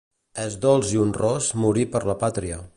És dolç i honrós morir per la pàtria.